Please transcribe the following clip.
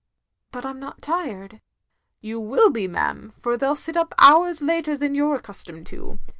" "But I am not tired." "You will be, ma'am, for they 11 sit up hours later than you 're accustomed to.